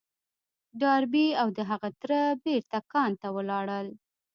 ډاربي او د هغه تره بېرته کان ته ولاړل.